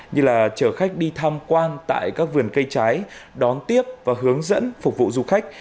như là chở khách đi tham quan tại các vườn cây trái đón tiếp và hướng dẫn phục vụ du khách